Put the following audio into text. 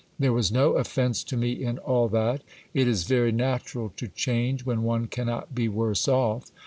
There was no offence to me in all that ; it is very natural to change when one cannot be worse off.